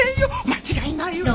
間違いないわ。